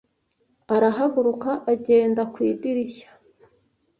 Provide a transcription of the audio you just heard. Arahaguruka, agenda ku idirishya.